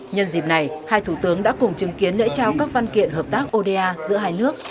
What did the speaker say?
nhân dịp này hai thủ tướng đã cùng chứng kiến lễ trao các văn kiện hợp tác oda giữa hai nước